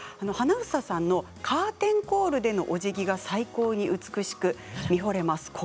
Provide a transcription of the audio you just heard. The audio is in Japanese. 花總さんのカーテンコールでのおじぎが最高に美しく見ほれます。